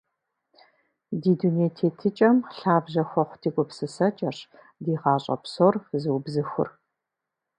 Ди дуней тетыкӀэм лъабжьэ хуэхъу ди гупсысэкӀэрщ ди гъащӀэ псор зыубзыхур.